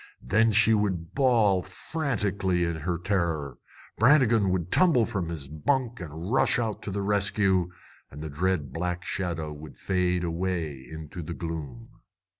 Then she would bawl frantically in her terror. Brannigan would tumble from his bunk and rush out to the rescue. And the dread black shadow would fade away into the gloom.